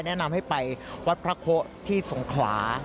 แนะนำให้ไปวัดพระโคที่สงขลา